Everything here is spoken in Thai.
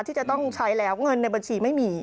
ที่จะต้องใช้แล้วเงินในบัญชีไม่มี